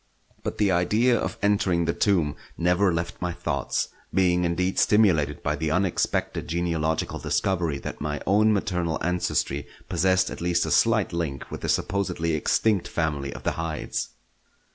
But the idea of entering the tomb never left my thoughts; being indeed stimulated by the unexpected genealogical discovery that my own maternal ancestry possessed at least a slight link with the supposedly extinct family of the Hydes.